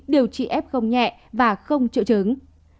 điều trị ép không nhẹ và không triệu chứng